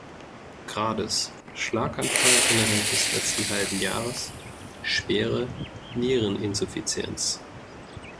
Grades, Schlaganfall innerhalb des letzten halben Jahres, schwere Niereninsuffizienz.